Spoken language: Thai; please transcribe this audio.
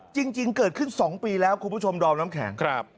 จริงเกิดขึ้น๒ปีแล้วคุณผู้ชมดอมน้ำแข็ง